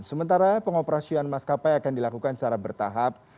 sementara pengoperasian maskapai akan dilakukan secara bertahap